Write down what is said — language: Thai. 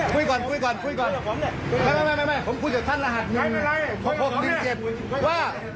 ผมบิงเจ็บว่า